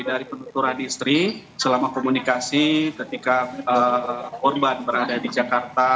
dari penuturan istri selama komunikasi ketika korban berada di jakarta